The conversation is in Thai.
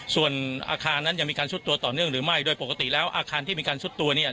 ส่วนอาคารนั้นยังมีการซุดตัวต่อเนื่องหรือไม่โดยปกติแล้วอาคารที่มีการซุดตัวเนี่ย